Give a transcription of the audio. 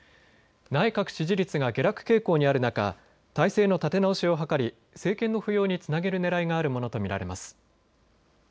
内閣支持率が下落傾向にある中、態勢の立て直しを図り政権の浮揚につなげるねらいがあるものと見られます。